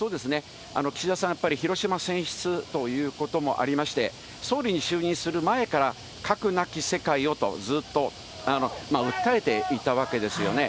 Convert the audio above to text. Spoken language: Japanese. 岸田さん、やっぱり広島選出ということもありまして、総理に就任する前から、核なき世界をと、ずっと訴えていたわけですよね。